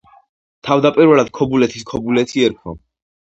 თავდაპირველად ქობულეთის „ქობულეთი“ ერქვა.